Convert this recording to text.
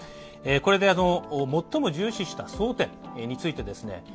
これで最も重視した争点についてですね